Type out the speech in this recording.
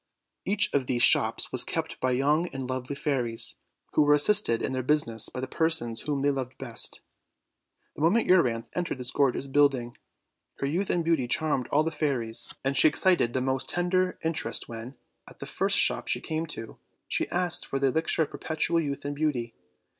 Each of these shops was kept by young and lovely fairies, who were assisted in their business by the persons whom they loved best. The moment Euryanthe entered this gorgeous build* her youth and beauty charmed all the fairies, and OLD, OLD FA'RY TALES. 47 Brie excited the most tender interest when, at the first shop she came to, she asked for the elixir of perpetual youth and beauty.